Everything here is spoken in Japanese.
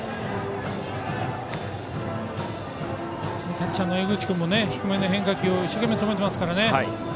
キャッチャーの江口君も低めの変化球を一生懸命、止めてますからね。